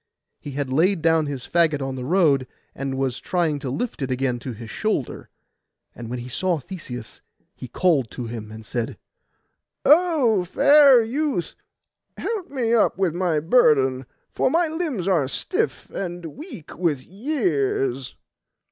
He had laid down his faggot in the road, and was trying to lift it again to his shoulder. And when he saw Theseus, he called to him, and said— 'O fair youth, help me up with my burden, for my limbs are stiff and weak with years.